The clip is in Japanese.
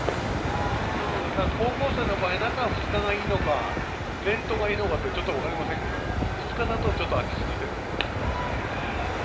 高校生の場合中２日がいいのか連投がいいのかよく分かりませんけど２日だと空きすぎてるかも分からないですね。